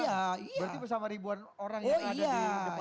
berarti bersama ribuan orang yang ada di depan